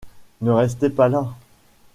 Ne restez pas là !